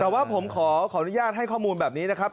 แต่ว่าผมขออนุญาตให้ข้อมูลแบบนี้นะครับ